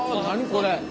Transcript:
これ！